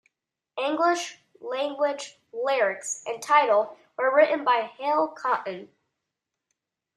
English language lyrics and title were written by Hal Cotten.